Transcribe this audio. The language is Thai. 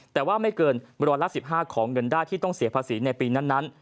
แต่ว่าไม่เกินร้อยละ๑๕ของเงินได้ที่ต้องเสียภาษีในปีนั้น